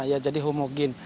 ya jadi homogen